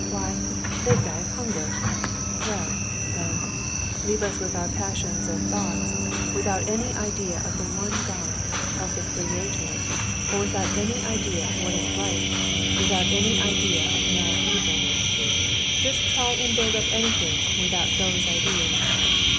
Why, they'd die of hunger! Well, then, leave us with our passions and thoughts, without any idea of the one God, of the Creator, or without any idea of what is right, without any idea of moral evil. "Just try and build up anything without those ideas!